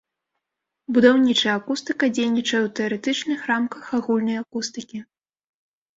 Будаўнічая акустыка дзейнічае ў тэарэтычных рамках агульнай акустыкі.